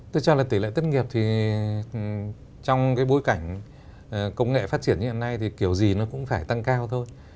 tôi cho là tỷ lệ thất nghiệp thì trong cái bối cảnh công nghệ phát triển như hiện nay thì kiểu gì nó cũng phải tăng cao thôi